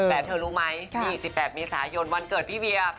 แต่เธอรู้ไหม๒๘เมษายนวันเกิดพี่เวีย